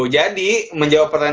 jadi menjawab pertanyaan